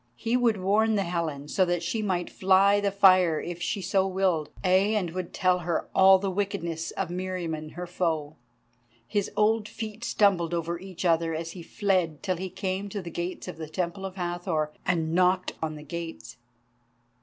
He would warn the Helen so that she might fly the fire if so she willed, ay, and would tell her all the wickedness of Meriamun her foe. His old feet stumbled over each other as he fled till he came to the gates of the Temple of the Hathor, and knocked upon the gates.